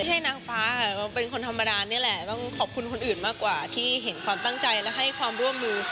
นางฟ้าค่ะเป็นคนธรรมดานี่แหละต้องขอบคุณคนอื่นมากกว่าที่เห็นความตั้งใจและให้ความร่วมมือ